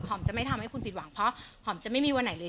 จะไม่ทำให้คุณผิดหวังเพราะหอมจะไม่มีวันไหนเลย